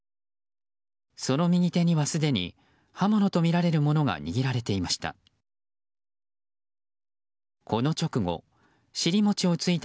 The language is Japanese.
その右手には、すでに刃物とみられるものが握られていました。